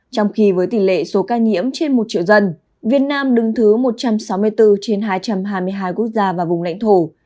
trong khi với tỷ lệ số ca nhiễm trên một triệu dân việt nam đứng thứ một trăm sáu mươi bốn trên hai trăm hai mươi hai quốc gia và vùng lãnh thổ